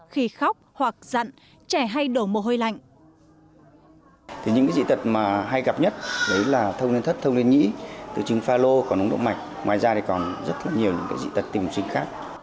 khi khóc hoặc dặn trẻ hay đổ mồ hôi lạnh